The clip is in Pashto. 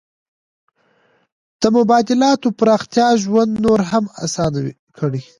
د مبادلاتو پراختیا ژوند نور هم اسانه کړ.